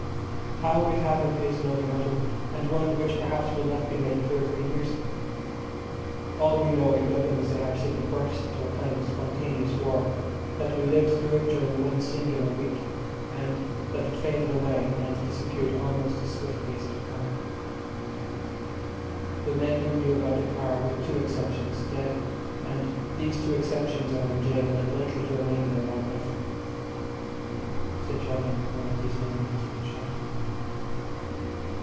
How it happened is another matter, and one which, perhaps, will not be made clear for years. All we know in Dublin is that our city burst into a kind of spontaneous war; that we lived through it during one singular week, and that it faded away and disappeared almost as swiftly as it had come. The men who knew about it are, with two exceptions, dead, and these two exceptions are in gaol, and likely to remain there long enough. (Since writing one of these men has been shot.)